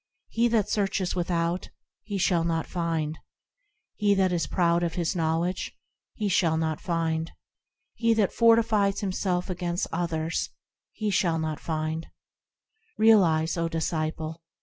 He that searches without, he shall not find ; He that is proud of his knowledge, he shall not find; He that fortifies himself against others, he shall not find ; Realise, O disciple!